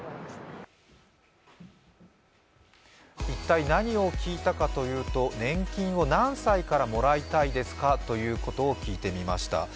一体何を聞いたかというと年金を何歳からもらいたいですかということを聞いてみました。